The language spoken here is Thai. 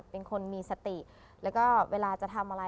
เป็นคนมีสติแล้วก็เวลาจะทำอะไร